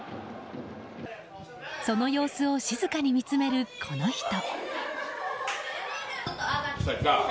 その様子を静かに見つめるこの人。